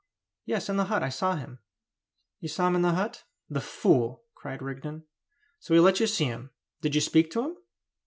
"Yes, in the hut. I saw him." "You saw him in the hut? The fool!" cried Rigden. "So he let you see him! Did you speak to him?"